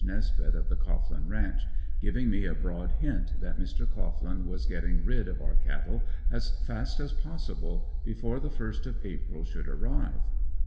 Nesbeth of the Cohglin ranch, giving me a broad hint that Mr. Cohglin was getting rid of our cattle as fast as possible, before the first of April should arrive.